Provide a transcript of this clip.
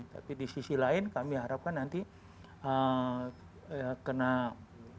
tapi di sisi lain kami harapkan nanti karena tidak bisa juga banyak banyak orang dapat